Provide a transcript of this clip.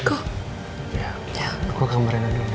ya aku akan bereskan semuanya